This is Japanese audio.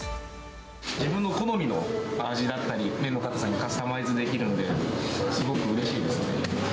自分の好みの味だったり、麺の硬さをカスタマイズできるんで、すごくうれしいですね。